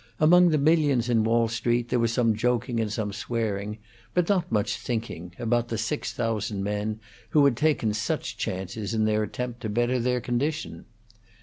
Among the millions in Wall Street there was some joking and some swearing, but not much thinking, about the six thousand men who had taken such chances in their attempt to better their condition.